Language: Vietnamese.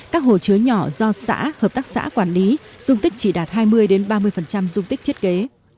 các hồ chứa nhỏ do xã hợp tác xã quản lý dung tích chỉ đạt hai mươi ba mươi dung tích thiết kế